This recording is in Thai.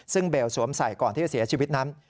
ซึ่งเบลสวมใส่ก่อนที่จะเสียชีวิตนั้น